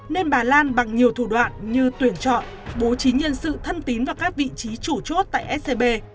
nên bà lan bằng nhiều thủ đoạn như tuyển chọn bố trí nhân sự thân tín vào các vị trí chủ chốt tại scb